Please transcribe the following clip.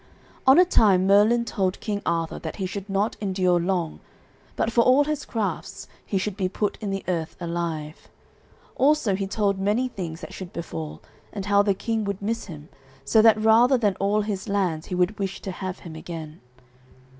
On a time Merlin told King Arthur that he should not endure long, but for all his crafts he should be put in the earth alive. Also he told many things that should befall, and how the king would miss him, so that rather than all his lands he would wish to have him again.